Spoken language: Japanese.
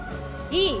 いい？